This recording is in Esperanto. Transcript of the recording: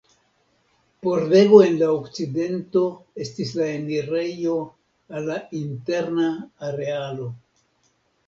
Pordego en la okcidento estis la enirejo al la interna arealo.